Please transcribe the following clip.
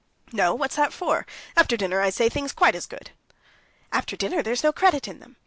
"No; what's that for? After dinner I say things quite as good." "After dinner there's no credit in them?